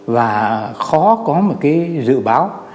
và khó có một cái dự báo